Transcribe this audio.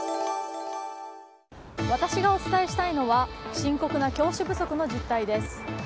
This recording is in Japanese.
私がお伝えしたいのは深刻な教師不足の実態です。